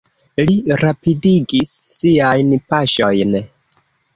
Li rapidigis siajn paŝojn.